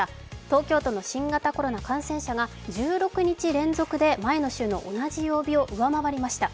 東京都の新型コロナ感染者が１６日連続で前の週の同じ曜日を上回りました。